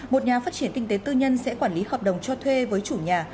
một nhà phát triển kinh tế tư nhân sẽ quản lý hợp đồng cho thuê với chủ nhà